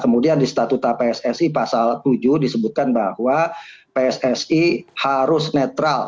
kemudian di statuta pssi pasal tujuh disebutkan bahwa pssi harus netral